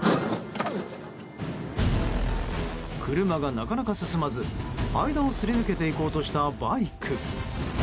車がなかなか進まず、間をすり抜けていこうとしたバイク。